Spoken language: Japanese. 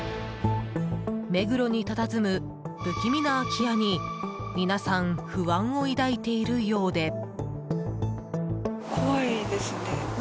目黒にたたずむ不気味な空き家に皆さん不安を抱いているようで。